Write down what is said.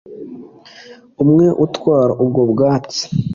Umwe utwara ubwo bwatsi